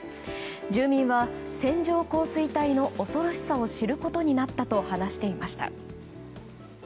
住民は線状降水帯の恐ろしさを知ることになったと話していました。